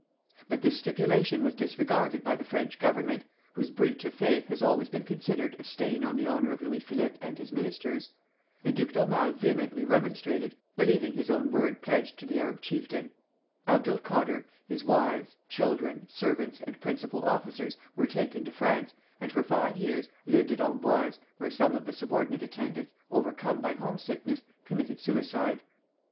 But this stipulation was disregarded by the French Government, whose breach of faith has always been considered a stain on the honor of Louis Philippe and his ministers. The Duc d'Aumale vehemently remonstrated, believing his own word pledged to the Arab chieftain. Abdul Kader, his wives, children, servants, and principal officers were taken to France, and for five years lived at Amboise, where some of the subordinate attendants, overcome by homesickness, committed suicide.